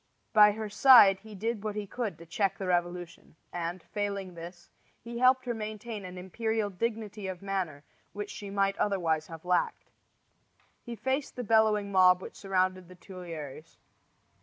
By her side he did what he could to check the revolution; and, failing this, he helped her to maintain an imperial dignity of manner which she might otherwise have lacked. He faced the bellowing mob which surrounded the Tuileries.